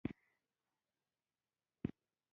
هغه دوه کاله چې زه په کلي کښې ورسره وم.